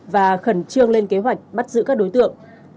và khẩn trương lên kế hoạch bắt giữ các đối tượng